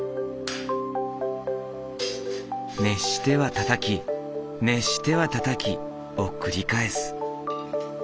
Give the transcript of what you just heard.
熱してはたたき熱してはたたきを繰り返す。